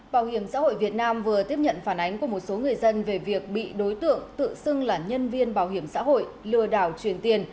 bảo hiểm xã hội việt nam vừa tiếp nhận phản ánh của một số người dân về việc bị đối tượng tự xưng là nhân viên bảo hiểm xã hội lừa đảo truyền tiền